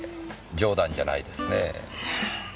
冗談じゃないですねえ。